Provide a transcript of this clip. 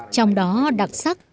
trong đó đặc sắc